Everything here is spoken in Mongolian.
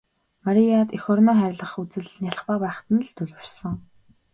Марияд эх орноо хайрлах үзэл нялх бага байхад нь л төлөвшсөн.